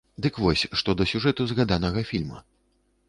Дык вось, што да сюжэту згаданага фільма.